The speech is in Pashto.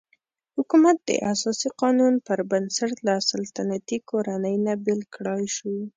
حکومت د اساسي قانون پر بنسټ له سلطنتي کورنۍ نه بېل کړای شو.